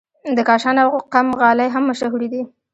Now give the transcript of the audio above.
د کاشان او قم غالۍ هم مشهورې دي.